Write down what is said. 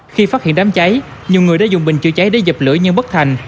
khi phát hiện đám cháy nhiều người đã dùng bình chữa cháy để dập lửa nhưng bất thành